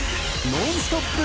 ノンストップ！